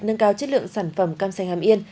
nâng cao chất lượng sản phẩm cam sành hàm yên